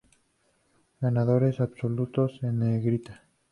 Ganadores absolutos en negrita.